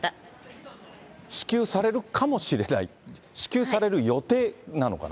支給されるかもしれない、支給される予定なのかな。